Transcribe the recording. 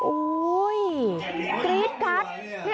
โอ้ยกรี๊ดกัด